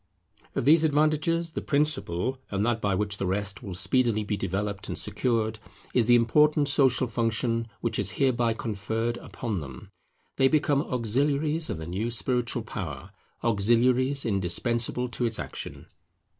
Of these advantages, the principal, and that by which the rest will speedily be developed and secured, is the important social function which is hereby conferred upon them. They become auxiliaries of the new spiritual power; auxiliaries indispensable to its action.